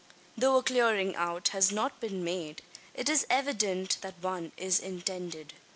Though a clearing out has not been made, it is evident that one is intended.